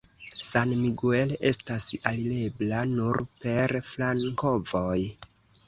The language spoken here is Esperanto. San Miguel estas alirebla nur per flankovoj.